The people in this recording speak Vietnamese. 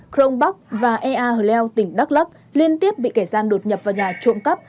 crong bắc và ea hờ leo tỉnh đắk lắc liên tiếp bị kẻ gian đột nhập vào nhà trộm cắp